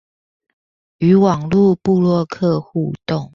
與網路部落客互動